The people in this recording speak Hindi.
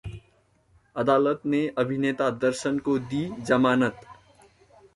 अदालत ने अभिनेता दर्शन को दी जमानत